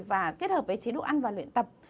và kết hợp với chế độ ăn và luyện tập